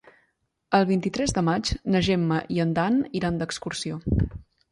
El vint-i-tres de maig na Gemma i en Dan iran d'excursió.